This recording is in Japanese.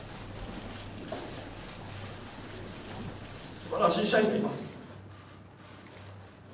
すばらしい社員がいます。